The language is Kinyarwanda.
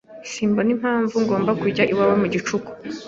Simbona impamvu ngomba kujya iwawe mu gicuku.